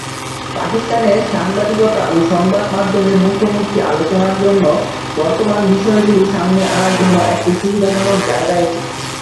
পাকিস্তানের সাংবাদিকতা ও সংবাদ মাধ্যমের মুখোমুখি আলোচনার জন্য বর্তমান বিষয়গুলি সামনে আনার জন্য একটি সুবিধাজনক জায়গা এটি।